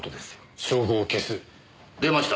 証拠を消す？出ました。